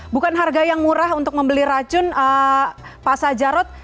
bukan harga yang murah untuk membeli racun pak sajarot